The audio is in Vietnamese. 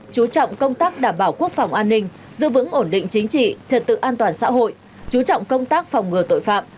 chú trọng công tác đảm bảo quốc phòng an ninh giữ vững ổn định chính trị trật tự an toàn xã hội chú trọng công tác phòng ngừa tội phạm